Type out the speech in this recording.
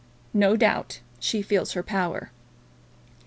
No doubt she feels her power."